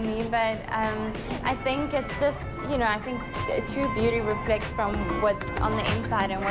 แต่ฉันคิดว่าความสุขที่จริงจะต้องคิดถึงในหัวใจ